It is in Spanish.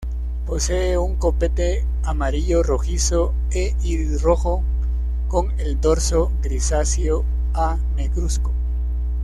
Posee un copete amarillo-rojizo e iris rojo, con el dorso grisáceo a negruzco.